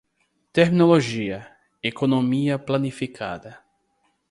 Terminologia, economia planificada